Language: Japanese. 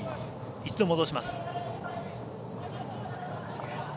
一度戻します。